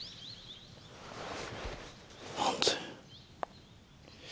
何で？